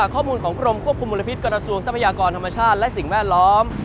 ข้อมูลของกรมควบคุมมลพิษกระทรวงทรัพยากรธรรมชาติและสิ่งแวดล้อม